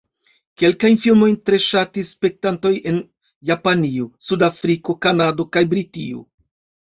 Kelkajn filmojn tre ŝatis spektantoj en Japanio, Sud-Afriko, Kanado kaj Britio.